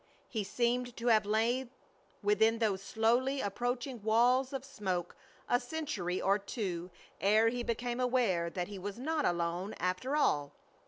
He seemed to have lain within those slowly approaching walls of smoke a century or two ere he became aware that he was not alone, after all.